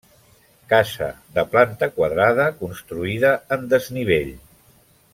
Casa de planta quadrada, construïda en desnivell.